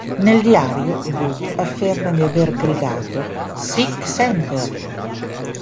Nel diario, Booth afferma di aver gridato "Sic Semper".